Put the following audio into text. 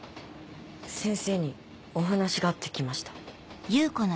先生にお話があって来ました。